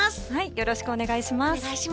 よろしくお願いします。